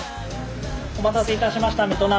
お待たせいたしました。